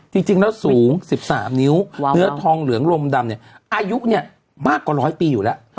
จริงแล้วสูง๑๓นิ้วเนื้อทองเหลืองลมดำเนี่ยอายุเนี่ยมากกว่าร้อยปีอยู่แล้ว